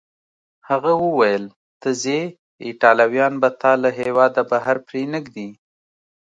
هغه وویل: ته ځې، ایټالویان به تا له هیواده بهر پرېنږدي.